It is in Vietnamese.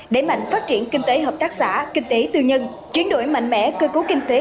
để mạnh phát triển kinh tế hợp tác xã kinh tế tư nhân chuyển đổi mạnh mẽ cơ cấu kinh tế